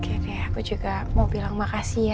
oke deh aku juga mau bilang makasih ya